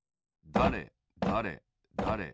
だれだれだれ。